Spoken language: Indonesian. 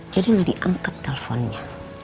jadi gak diangkat teleponnya